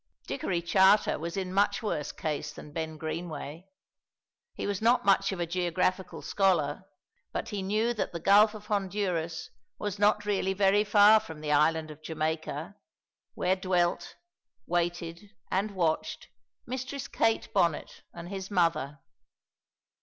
Dickory Charter was in much worse case than Ben Greenway. He was not much of a geographical scholar, but he knew that the Gulf of Honduras was not really very far from the Island of Jamaica, where dwelt, waited, and watched Mistress Kate Bonnet and his mother.